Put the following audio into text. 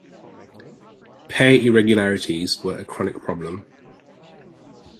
Pay irregularities were a chronic problem.